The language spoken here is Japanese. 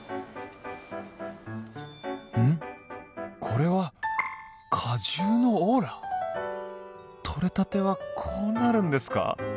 これは果汁のオーラ？取れたてはこうなるんですか！